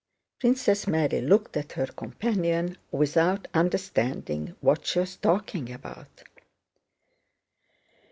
Princess Mary looked at her companion without understanding what she was talking about.